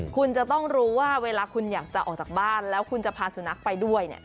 คุณจะต้องรู้ว่าเวลาคุณอยากจะออกจากบ้านแล้วคุณจะพาสุนัขไปด้วย